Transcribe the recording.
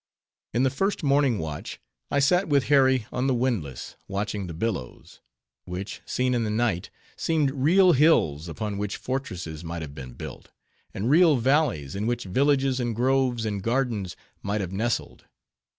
In the first morning watch, I sat with Harry on the windlass, watching the billows; which, seen in the night, seemed real hills, upon which fortresses might have been built; and real valleys, in which villages, and groves, and gardens, might have nestled.